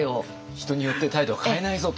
人によって態度を変えないぞと。